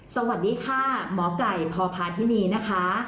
สวัสดีค่ะหมอไก่พพาธินีนะคะ